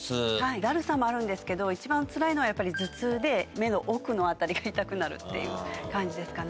だるさもあるんですけど、一番つらいのはやっぱり頭痛で、目の奥の辺りが痛くなるっていう感じですかね。